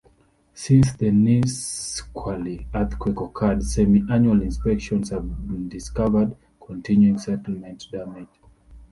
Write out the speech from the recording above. Since the Nisqually earthquake occurred, semi-annual inspections have discovered continuing settlement damage.